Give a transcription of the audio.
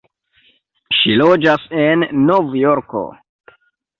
Ŝi loĝas en Novjorko.